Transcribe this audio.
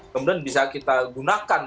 kemudian bisa kita gunakan